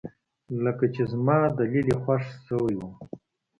لکه چې زما دليل يې خوښ شوى و.